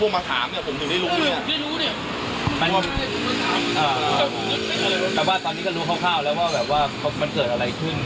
ไม่รู้คร่าวแล้วว่าแบบว่ามันเกิดอะไรขึ้น